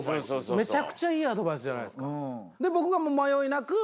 めちゃくちゃいいアドバイスじゃないですか。